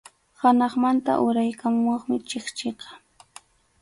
Hanaqmanta uraykamuqmi chikchiqa.